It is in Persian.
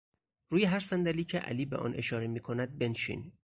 روی هر صندلی که علی به آن اشاره میکند بنشین!